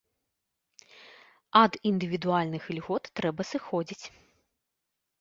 Ад індывідуальных ільгот трэба сыходзіць.